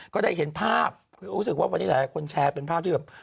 ก็ได้เห็นภาพรู้สึกว่าวันนี้หลายคนแชร์เป็นภาพที่แบบ